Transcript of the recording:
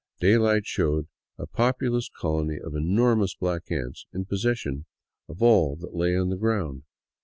Daylight showed a populous colony of enormous black ants in possession of all that lay on the ground.